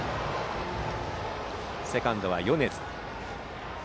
セカンドは米津。